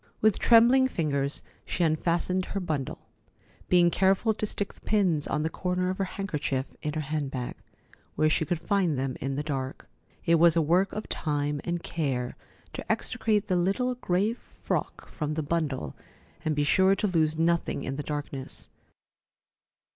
With trembling fingers, she unfastened her bundle, being careful to stick the pins on the corner of her handkerchief in her hand bag, where she could find them in the dark. It was a work of time and care to extricate the little gray frock from the bundle and be sure to lose nothing in the darkness.